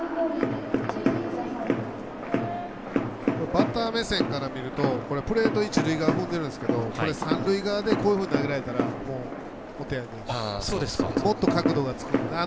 バッター目線から見るとプレート一塁側踏んでるんですがこれ三塁側でこういうふうに投げられたらお手上げです。